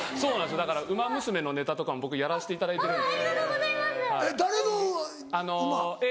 だから『ウマ娘』のネタとかも僕やらせていただいて。ありがとうございます！